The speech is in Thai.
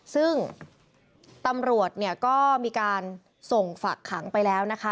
ซึ่งตำรวจเนี่ยก็มีการส่งฝักขังไปแล้วนะคะ